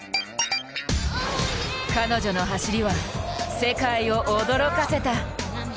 彼女の走りは世界を驚かせた。